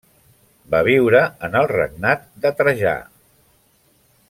Va viure en el regnat de Trajà.